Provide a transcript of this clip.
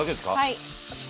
はい。